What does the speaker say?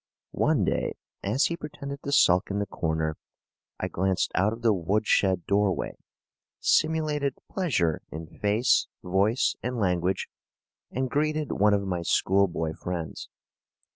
One day, as he pretended to sulk in the corner, I glanced out of the woodshed doorway, simulated pleasure in face, voice, and language, and greeted one of my schoolboy friends.